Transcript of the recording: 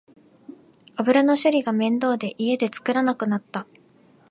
油の処理が面倒で家で作らなくなった